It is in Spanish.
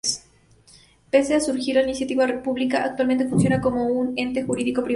Pese a surgir por iniciativa pública, actualmente funciona como un ente jurídico privado.